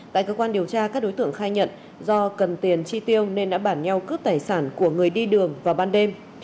tại cơ quan điều tra các đối tượng khai nhận do cần tiền chi tiêu nên đã bản nhau cướp tài sản của người đi đường vào ban đêm